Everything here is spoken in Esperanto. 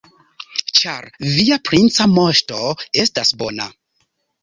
Ĉar via princa moŝto estas bona.